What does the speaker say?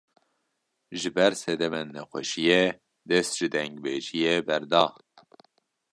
Ji ber sedemên nexweşiyê, dest ji dengbêjiyê berda